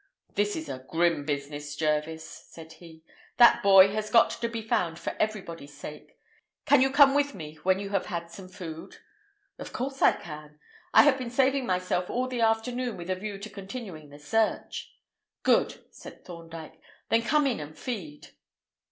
"This is a grim business, Jervis," said he. "That boy has got to be found for everybody's sake. Can you come with me when you have had some food?" "Of course I can. I have been saving myself all the afternoon with a view to continuing the search." "Good," said Thorndyke. "Then come in and feed."